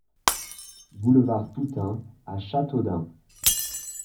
Boulevard Toutain à Châteaudun